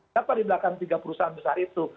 siapa di belakang tiga perusahaan besar itu